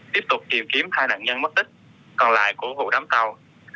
tiếp tục tìm kiếm hai nạn nhân mất tích còn lại của vụ đám tàu